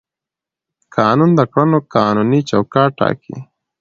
قانون د کړنو قانوني چوکاټ ټاکي.